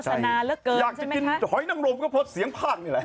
โฆษณาเลิกเกินใช่ไหมคะอยากจะกินหอยนังรมก็เพราะเสียงพันธุ์นี่แหละ